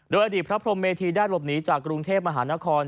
โดยอดีตพระพรมเมธีได้หลบหนีจากกรุงเทพมหานคร